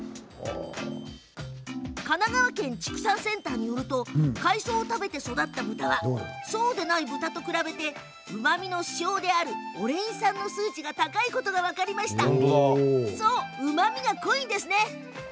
神奈川県畜産センターによると海藻を食べて育った豚はそうでない豚と比べてうまみの指標であるオレイン酸の数値が高いことが分かりました。